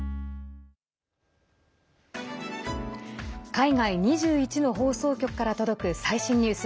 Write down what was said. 海外２１の放送局から届く最新ニュース。